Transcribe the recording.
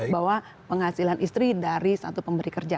bahwa penghasilan istri dari satu pemberi kerja